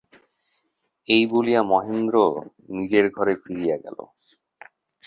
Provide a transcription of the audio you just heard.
এই বলিয়া মহেন্দ্র নিজের ঘরে ফিরিয়া গেল।